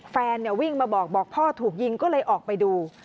แฟนวิ่งมาบอกบอกพ่อถูกยิงก็เลยออกไปดู